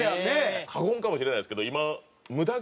過言かもしれないですけど今。